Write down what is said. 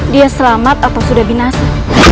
dia selamat apa sudah binasa